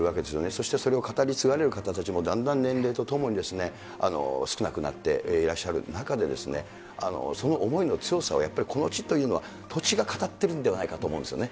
そしてそれを語り継がれる方たちもだんだん年齢とともに少なくなっていらっしゃる中でですね、その思いの強さをやっぱりこの地というのは、土地が語ってるんではないかと思うんですね。